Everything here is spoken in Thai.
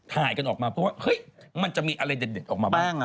ถ่ายกันออกมาเพราะว่าเฮ้ยมันจะมีอะไรเด็ดออกมาบ้าง